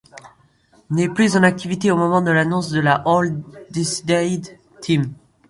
N'est plus en activité au moment de l'annonce de la All-Decade Team.